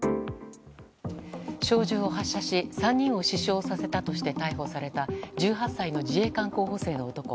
小銃を発射し、３人を死傷させたとして逮捕された１８歳の自衛官候補生の男。